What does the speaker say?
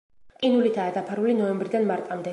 ყინულითაა დაფარული ნოემბრიდან მარტამდე.